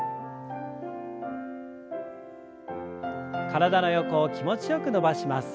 体の横を気持ちよく伸ばします。